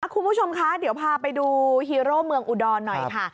คุณผู้ชมคะเดี๋ยวพาไปดูฮีโร่เมืองอุดรหน่อยค่ะ